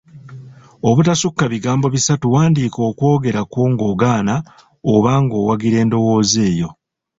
Obutasukka bigambo bisatu; wandiika okwogera kwo ng’ogaana oba ng’owagira endowooza eyo.